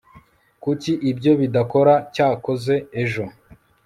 Kuki ibyo bidakora Cyakoze ejo